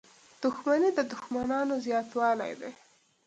• دښمني د دوښمنانو زیاتوالی دی.